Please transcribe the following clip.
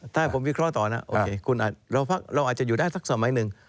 ถ้าผมวิเคราะห์ต่อนะโอเคเราอาจจะอยู่ได้สักสมัยหนึ่ง